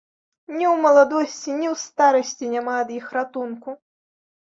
Ні ў маладосці, ні ў старасці няма ад іх ратунку!